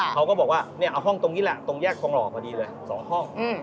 เขาก็บอกว่าเนี่ยเอาห้องตรงนี้แหละตรงแยกทองหล่อพอดีเลย๒ห้อง